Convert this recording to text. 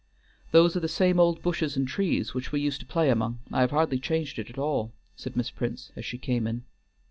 "Those are the same old bushes and trees which we used to play among; I have hardly changed it at all," said Miss Prince, as she came in.